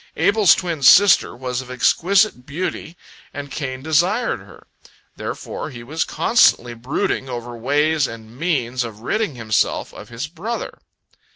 Abel's twin sister was of exquisite beauty, and Cain desired her. Therefore he was constantly brooding over ways and means of ridding himself of his brother.